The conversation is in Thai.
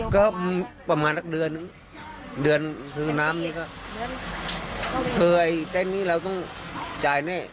ก็ประมาณสักเดือนนึงเดือนคือน้ำนี้ก็เคยเต้นนี้เราต้องจ่ายแน่